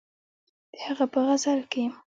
د هغه په غزل کښې